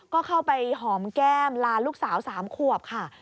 ก็เข้าไปหอมแก้มลาลูกสาว๓ขวบค่ะ